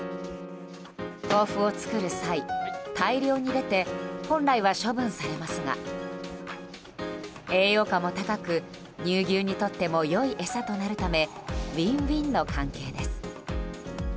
豆腐を作る際、大量に出て本来は処分されますが栄養価も高く乳牛にとっても良い餌となるためウィンウィンの関係です。